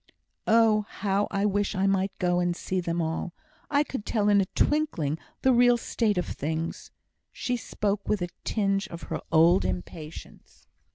"Oh! how I wish I might go and see them all! I could tell in a twinkling the real state of things." She spoke with a tinge of her old impatience.